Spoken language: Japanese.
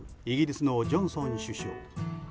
イギリスのジョンソン首相。